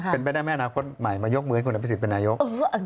เป็นแม่นาคตใหม่มายกมือให้คุณอภิสิทธิ์เป็นนายก